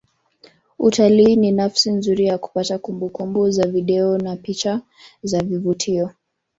Utalii ni nafasi nzuri ya kupata kumbukumbu za video na picha za vivutio